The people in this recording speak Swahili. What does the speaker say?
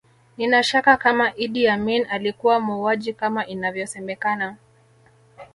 Nina shaka kama Idi Amin alikuwa muuaji kama inavyosemekana